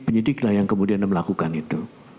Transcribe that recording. penyidik lah yang kemudian melakukan itu